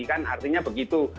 kan artinya begitu